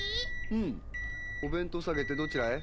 うんお弁当さげてどちらへ？